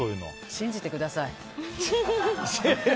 信じてください。